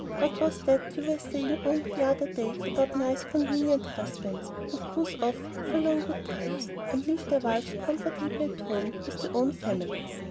"What was that you were saying only the other day about nice convenient husbands, who cruise off for 'good long times,' and leave their wives comfortably at home with their own families?